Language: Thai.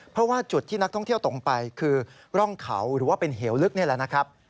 เพราะว่าจุดที่นักท่องเที่ยวตกไปคือร่องเขาหรือว่าเป็นเหวลึกนี่แหละนะครับ